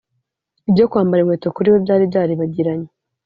Ibyo kwambara inkweto kuri we byari byaribagiranye